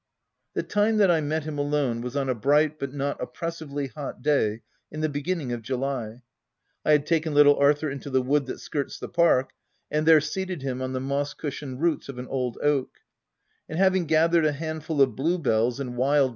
The time that I met him alone was on a bright but not oppressively hot day in the beginning of July : I had taken little Arthur into the wood that skirts the park, and there seated him on the moss cushioned roots of an old oak ; and, having gathered a handful of bluebells and wild OF WILDFELL HALL.